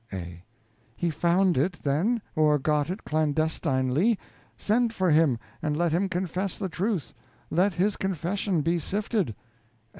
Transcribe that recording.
A. He found it, then, or got it clandestinely; send for him, and let him confess the truth; let his confession be sifted.